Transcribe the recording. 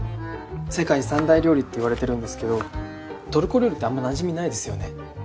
世界三大料理っていわれてるんですけどトルコ料理ってあんまなじみないですよね。